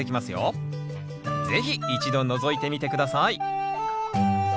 是非一度のぞいてみて下さい。